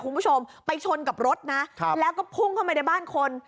คุณผู้ชมไปชนกับรถนะแล้วก็พุ่งเข้ามาในบ้านคน